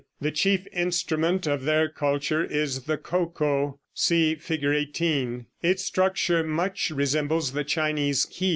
The chief instrument of their culture is the ko ko. (See Fig. 18.) In structure it much resembles the Chinese ke.